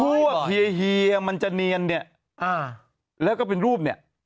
ว่าเฮียเฮียมันจะเนียนเนี่ยแล้วก็เป็นรูปเนี่ย